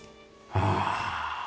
ああ。